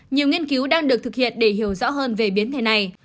nhiều nghiên cứu đang được thực hiện để hiểu rõ hơn về biến thể này